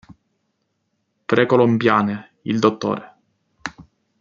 Precolombiane, il Dott.